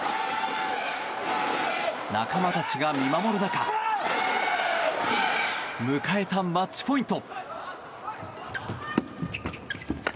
仲間たちが見守る中迎えたマッチポイント。